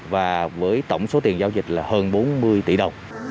và với tổng số tiền giao dịch là hơn bốn mươi tỷ đồng